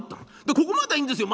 ここまではいいんですよ